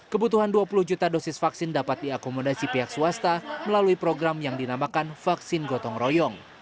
kebutuhan dua puluh juta dosis vaksin dapat diakomodasi pihak swasta melalui program yang dinamakan vaksin gotong royong